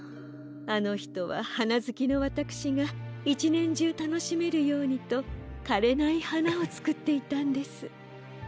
あのひとははなずきのわたくしが１ねんじゅうたのしめるようにとかれないはなをつくっていたんです。